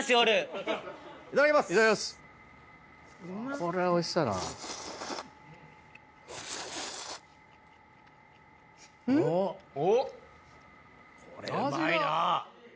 これうまいな。